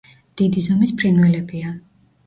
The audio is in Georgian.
დიდი ზომის ფრინველებია.